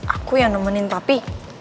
aku yang nemenin papi